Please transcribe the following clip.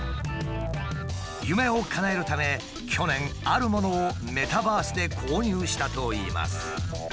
夢をかなえるため去年あるものをメタバースで購入したといいます。